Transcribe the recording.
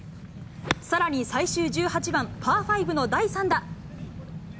さらに最終１８番パー５の第３打。